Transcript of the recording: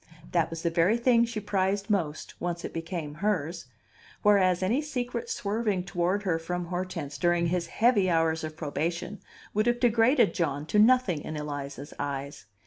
That was the very thing she prized most, once it became hers; whereas, any secret swerving toward her from Hortense during his heavy hours of probation would have degraded John to nothing in Eliza's eyes.